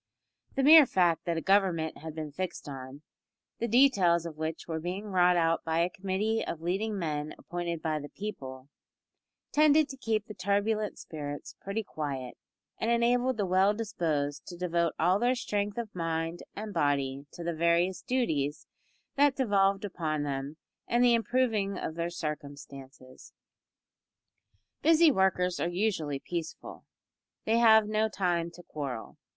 The mere fact that a government had been fixed on, the details of which were being wrought out by a committee of leading men appointed by the people, tended to keep the turbulent spirits pretty quiet, and enabled the well disposed to devote all their strength of mind and body to the various duties that devolved upon them and the improving of their circumstances. Busy workers are usually peaceful. They have no time to quarrel.